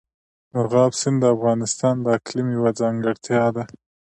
مورغاب سیند د افغانستان د اقلیم یوه ځانګړتیا ده.